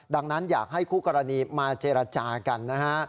ดังนั้นอยากให้คู่กรณีมาเจรจากันนะฮะ